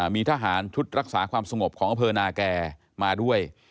มีทหารชุดรักษาความสงบของอำเภอนาแก่มาด้วย